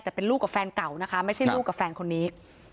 แต่เป็นลูกกับแฟนเก่านะคะไม่ใช่ลูกกับแฟนคนนี้